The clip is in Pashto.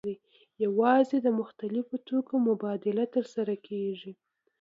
یوازې د مختلفو توکو مبادله ترسره کیږي.